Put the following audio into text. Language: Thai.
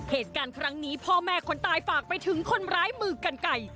เหตุการณ์ครั้งนี้พ่อแม่คนตายฝากไปถึงคนร้ายมือกันไก่